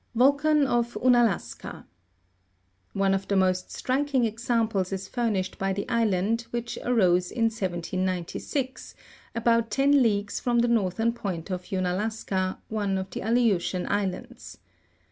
Volcan of Unalaska. One of the most striking examples is furnished by the island, which arose in 1796, about ten leagues from the northern point of Unalaska, one of the Aleutian islands.